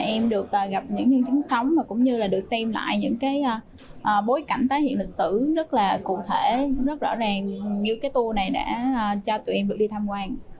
em được gặp những nhân chứng sống và cũng như là được xem lại những cái bối cảnh tái hiện lịch sử rất là cụ thể rất rõ ràng như cái tour này đã cho tụi em được đi tham quan